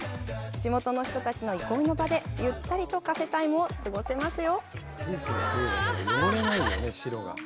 地元の人たちの憩いの場でゆったりとカフェタイムを過ごせますよ！